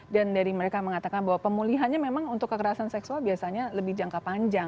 dan dari mereka mengatakan bahwa pemulihannya memang untuk kekerasan seksual biasanya lebih jangka panjang